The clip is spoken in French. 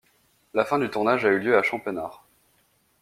La fin du tournage a eu lieu à Champenard.